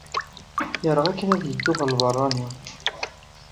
Yerɣa akken ad yeddu ɣer lbeṛṛani.